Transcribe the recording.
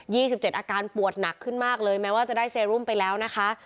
ี่สิบเจ็ดอาการปวดหนักขึ้นมากเลยแม้ว่าจะได้เซรุมไปแล้วนะคะ